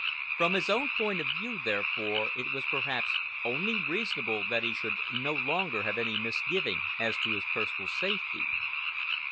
From his own point of view, therefore, it was perhaps only reasonable that he should no longer have any misgiving as to his personal safety.